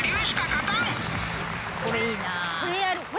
これいいな。